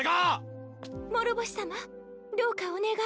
諸星さまどうかお願い。